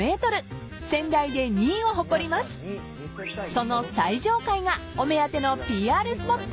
［その最上階がお目当てのＰＲスポット］